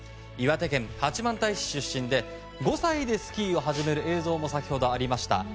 岩手県八幡平市出身で５歳でスキーを始める映像も先ほどありました。